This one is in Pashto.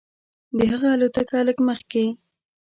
د هغه الوتکه لږ مخکې.